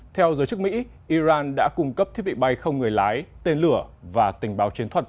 theo giới chức mỹ iran đã cung cấp thiết bị bay không người lái tên lửa và tình báo chiến thuật